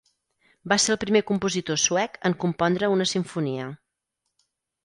Va ser el primer compositor suec en compondre una simfonia.